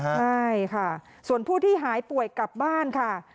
ใช่ค่ะส่วนผู้ที่หายป่วยกลับบ้านค่ะ